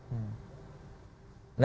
nah pernah kita pengguna